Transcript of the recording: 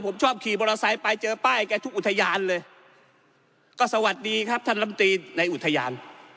ผมชอบขี่มอเตอร์ไซค์ไปเจอป้ายแกทุกอุทยานเลยก็สวัสดีครับท่านลำตีในอุทยาน